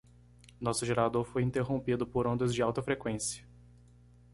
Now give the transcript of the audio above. Nosso gerador foi interrompido por ondas de alta frequência.